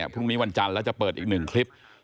พรุ่งนี้วันจันทร์แล้วจะเปิดอีก๑คลิป